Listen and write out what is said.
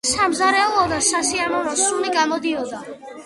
სამზარეულოდან სასიამოვნო სუნი გამოდიოდა.